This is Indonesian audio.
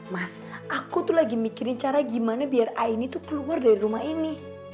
mas aku tuh lagi mikirin cara gimana biar aini tuh keluar dari rumah ini